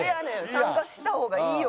参加した方がいいよ。